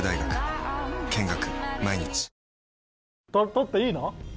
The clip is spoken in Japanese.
取っていいの？